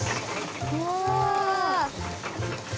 うわ！